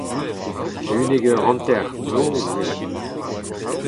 unnek eur hanter noz eo.